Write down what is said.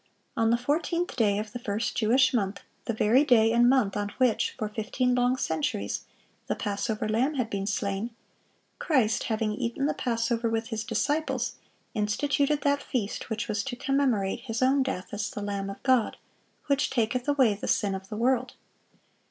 On the fourteenth day of the first Jewish month, the very day and month on which, for fifteen long centuries, the Passover lamb had been slain, Christ, having eaten the Passover with His disciples, instituted that feast which was to commemorate His own death as "the Lamb of God, which taketh away the sin of the world."